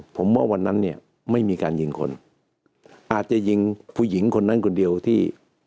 ผมว่าวันนั้นเนี่ยไม่มีการยิงคนอาจจะยิงผู้หญิงคนนั้นคนเดียวที่